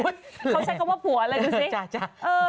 เขาใช้คำว่าผัวอะไรดูสิ